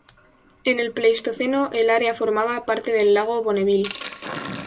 En el pleistoceno el área formaba parte del lago Bonneville.